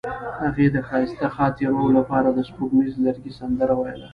هغې د ښایسته خاطرو لپاره د سپوږمیز لرګی سندره ویله.